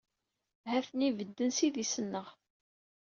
Ha-ten-i bedden s idis-nneɣ.